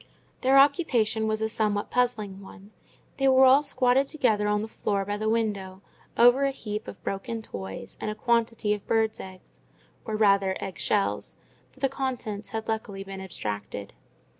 Their occupation was a somewhat puzzling one: they were all squatted together on the floor by the window, over a heap of broken toys and a quantity of birds' eggs—or rather egg shells, for the contents had luckily been abstracted.